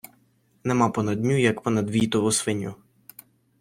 Нема понад ню, як понад війтову свиню.